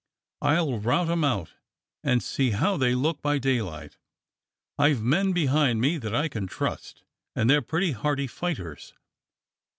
I'll rout 'em out and see how they look by daylight. I've men behind me that I can trust, and they're pretty hardy fighters.